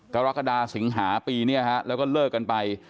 กรกฎาสิงหาปีและเลิกกันไป